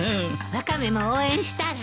ワカメも応援したら？